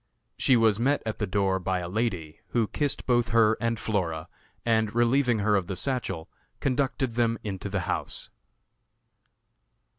She was met at the door by a lady, who kissed both her and Flora, and, relieving her of the satchel, conducted them into the house.